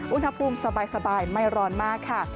อุณหภูมิสบายไม่ร้อนมากค่ะ